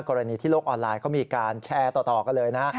กรณีที่โลกออนไลน์เขามีการแชร์ต่อกันเลยนะ